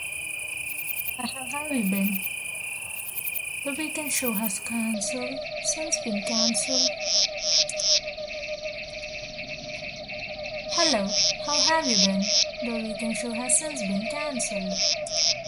The weekend show has since been canceled.